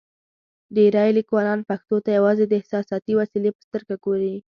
ډېری لیکوالان پښتو ته یوازې د احساساتي وسیلې په سترګه ګوري.